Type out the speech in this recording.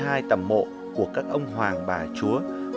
an lăng còn có bốn mươi hai tầm mộ của các ông hoàng bà chúa